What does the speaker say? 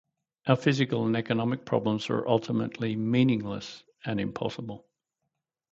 Our physical and economic problems are ultimately meaningless and impossible.